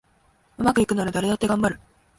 うまくいくなら誰だってがんばる